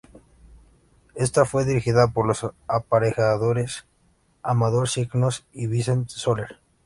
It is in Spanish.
Esta fue dirigida por los aparejadores Amador Signos y Vicent Soler.